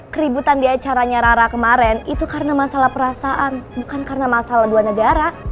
keributan di acaranya rara kemarin itu karena masalah perasaan bukan karena masalah dua negara